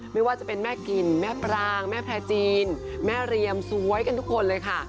ไม่ว่าจะเป็นแม่กินแม่ปรางแม่แพร่จีนแม่เรียมสวยกันทุกคนเลยค่ะ